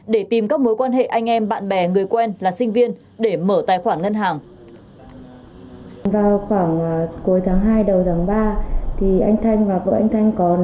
để tìm các mối quan hệ anh em bạn bè người quen là sinh viên để mở tài khoản ngân hàng